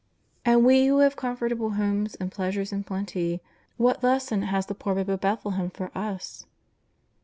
And we who have comfortable homes, and pleasures in plenty, what lesson has the poor Babe of Bethlehem for us